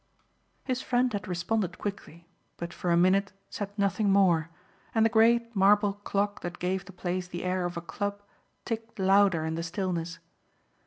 His friend had responded quickly, but for a minute said nothing more, and the great marble clock that gave the place the air of a club ticked louder in the stillness.